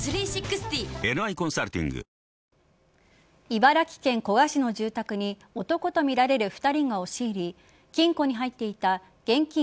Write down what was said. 茨城県古河市の住宅に男とみられる２人が押し入り金庫に入っていた現金